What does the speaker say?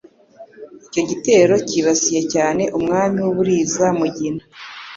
Icyo gitero cyibasiye cyane Umwami w'u Buliza Mugina,